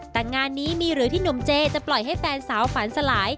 แต่งานนี้มีหรือที่หนุ่มเจจะปล่อยให้แฟนสาวฝันสลาย